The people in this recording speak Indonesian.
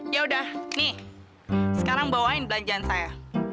ya udah nih sekarang bawain belanjaan saya